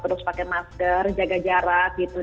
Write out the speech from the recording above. terus pakai masker jaga jarak gitu